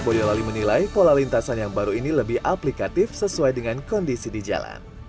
boyolali menilai pola lintasan yang baru ini lebih aplikatif sesuai dengan kondisi di jalan